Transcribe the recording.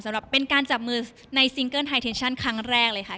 สำหรับเป็นการจับมือในซิงเกิ้ลไฮเทคชั่นครั้งแรกเลยค่ะ